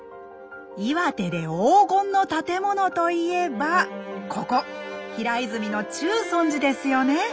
岩手で黄金の建物といえばここ平泉の中尊寺ですよね。